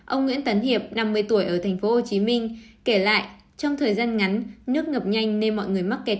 ông nguyễn tấn hiệp năm mươi tuổi ở tp hcm kể lại trong thời gian ngắn nước ngập nhanh nên mọi người mắc kẹt